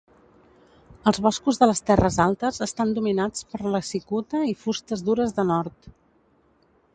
Els boscos de les terres altes estan dominats per la cicuta i fustes dures de nord.